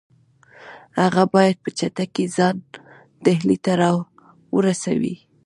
هغه باید په چټکۍ ځان ډهلي ته را ورسوي.